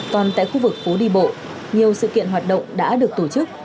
còn tại khu vực phố đi bộ nhiều sự kiện hoạt động đã được tổ chức